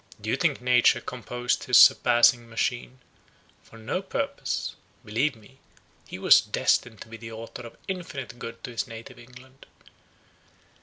Do you think Nature composed his surpassing machine for no purpose? Believe me, he was destined to be the author of infinite good to his native England.